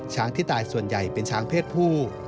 ที่ตายส่วนใหญ่เป็นช้างเพศผู้